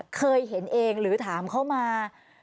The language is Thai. เคยเห็นเองหรือถามเขามา